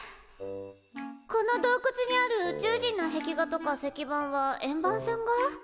この洞窟にある宇宙人の壁画とか石板は円盤さんが？